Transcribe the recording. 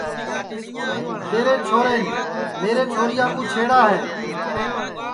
تیرے چھورین میری چھوریا کُو چھیڑا ہے